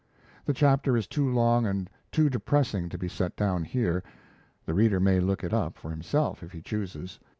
The chapter is too long and too depressing to be set down here. The reader may look it up for himself, if he chooses.